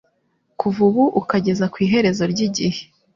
Kuva ubu ukageza ku iherezo ry’igihe,